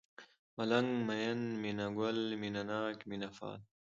ملنگ ، مين ، مينه گل ، مينه ناک ، مينه پال